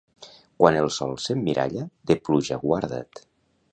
Quan el sol s'emmiralla, de pluja guarda't.